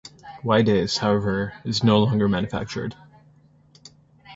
Wydase, however, is no longer manufactured.